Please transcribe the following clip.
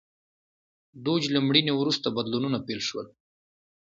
دوج له مړینې وروسته بدلونونه پیل شول.